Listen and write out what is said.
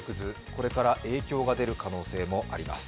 これから影響が出る可能性があります。